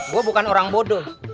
gue bukan orang bodoh